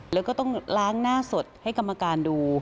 แล้วก็ต้องล้างหน้าสดให้กรรมการดู